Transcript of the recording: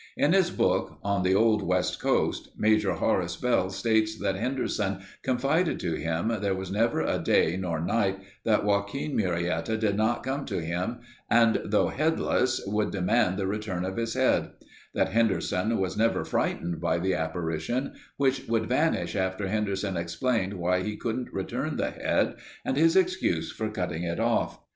In his book, "On the Old West Coast" Major Horace Bell states that Henderson confided to him there was never a day nor night that Joaquin Murietta did not come to him and though headless, would demand the return of his head; that Henderson was never frightened by the apparition, which would vanish after Henderson explained why he couldn't return the head and his excuse for cutting it off.